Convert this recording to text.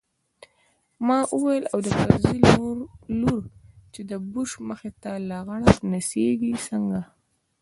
ما وويل او د کرزي لور چې د بوش مخې ته لغړه نڅېږي څنګه.